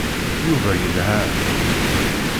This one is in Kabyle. Yuba yelha.